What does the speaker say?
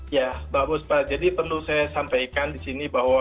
ya mbak buspa jadi perlu saya sampaikan di sini bahwa